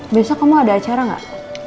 biasa kamu ada acara gak